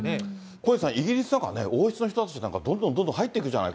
小西さん、イギリスなんかね、王室の人たちなんかどんどんどんどん入っていくじゃない。